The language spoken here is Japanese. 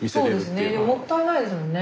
そうですねもったいないですもんね。